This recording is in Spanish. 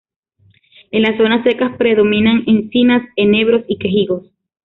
En las zonas secas predominan encinas, enebros y quejigos.